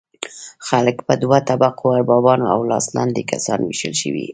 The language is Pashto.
خلک په دوه طبقو اربابان او لاس لاندې کسان ویشل شوي وو.